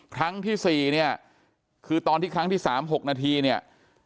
ครั้งที่๔เนี่ยคือตอนที่ครั้งที่๓๖นาทีเนี่ย